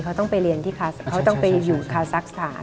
เขาต้องไปเรียนที่คาซักสถาน